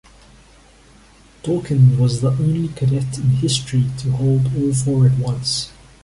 Dawkins was the only cadet in history to hold all four at once.